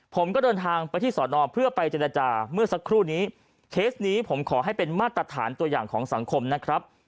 ผมก็เดินทางไปที่สอนอเพื่อไปเจรจาเมื่อสักครู่นี้เคสนี้ผมขอให้เป็นมาตรฐานตัวอย่างของสังคมนะครับ